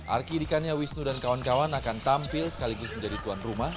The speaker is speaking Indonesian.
arki dikania wisnu dan kawan kawan akan tampil sekaligus menjadi tuan rumah